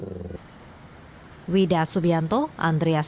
bagaimana cara pemerintah menemukan kemampuan medis di surabaya